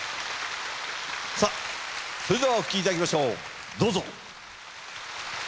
さあそれではお聴きいただきましょうどうぞ。